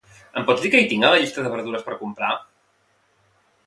Em pots dir què hi tinc a la llista de verdures per comprar?